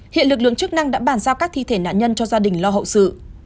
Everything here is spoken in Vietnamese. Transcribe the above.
hiện lực lượng chức năng đã bàn giao các thi thể nạn nhân cho gia đình lo hậu sự